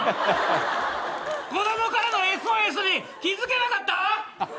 子供からのＳＯＳに気付けなかった！？